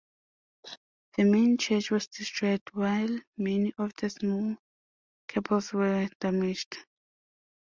The main church was destroyed, while many of the small chapels were damaged.